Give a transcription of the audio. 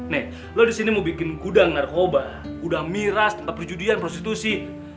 nek lo di sini mau bikin gudang narkoba gudang miras tempat perjudian prostitusi